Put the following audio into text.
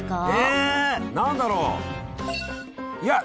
え何だろう？